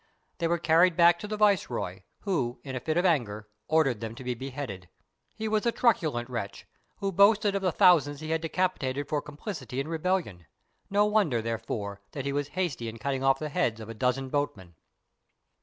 They were carried back to the viceroy, who, in a fit of anger, ordered them to be beheaded. He was a truculent wretch, who boasted of the thousands he had decapitated for compHcity in re bellion; no wonder, therefore, that he was hasty in cut ting off the heads of a dozen boatmen.